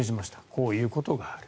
こういうことがある。